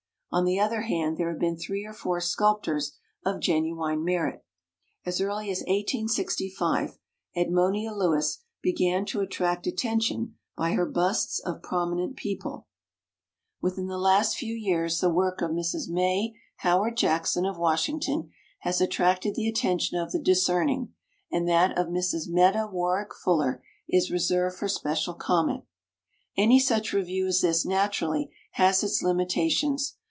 On the other hand there have been three or four sculptors of genuine merit. As early as 1865 Edmonia Lewis began to attract at tention by her busts of prominent people. 24 WOMEN OF ACHIEVEMENT Within the last few years the work of Mrs. May Howard Jackson, of Washington, has attracted the attention of the discerning; and that of Mrs. Meta Warrick Fuller is reserved for special comment. Any such review as this naturally has its limitations.